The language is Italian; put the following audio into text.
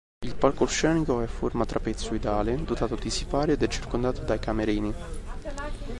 Il palcoscenico è a forma trapezoidale, dotato di sipario ed è circondato dai camerini.